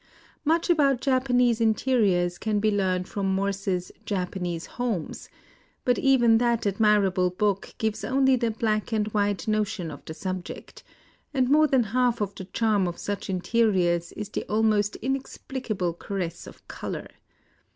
Much about Japanese interiors can be learned from Morse's " Japanese Homes ;" but even that admirable book gives only the black and white notion of the subject ; and more than half of the charm of such interiors is the al most inexplicable caress of color.